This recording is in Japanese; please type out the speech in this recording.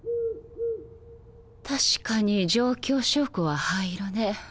確かに状況証拠は灰色ね。